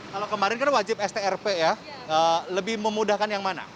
kalau kemarin kan wajib strp ya lebih memudahkan yang mana